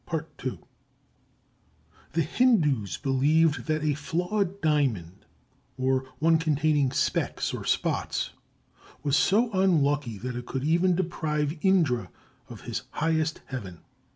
The Hindus believed that a flawed diamond, or one containing specks or spots, was so unlucky that it could even deprive Indra of his highest heaven.